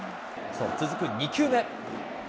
続く２球目。